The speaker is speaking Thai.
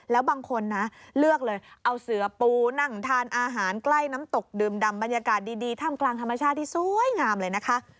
แล้วบางคนนะเลือกเลยเอาเสือปูนั่งทานอาหารใกล้น้ำตกดื่มดำบรรยากาศดีถ้ำกลางธรรมชาติที่สวยงามเลยนะคะ